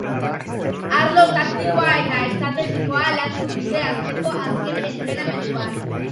Arlo taktikoa eta estrategikoa landu dute asteko azken entrenamenduan.